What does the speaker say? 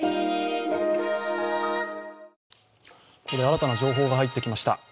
ここで新たな情報が入ってきました。